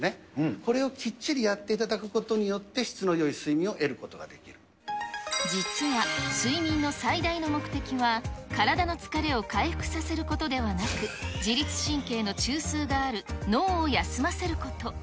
これをきっちりやっていただくことによって、実は、睡眠の最大の目的は、体の疲れを回復させることではなく、自律神経の中枢がある脳を休ませること。